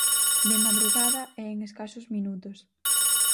De madrugada e en escasos minutos.